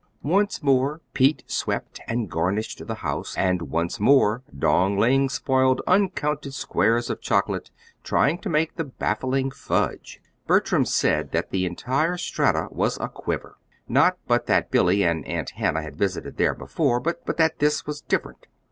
Once more Pete swept and garnished the house, and once more Dong Ling spoiled uncounted squares of chocolate trying to make the baffling fudge. Bertram said that the entire Strata was a quiver. Not but that Billy and Aunt Hannah had visited there before, but that this was different.